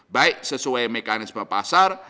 baik sesuai mekanisme pasar